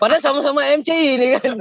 padahal sama sama mc ini kan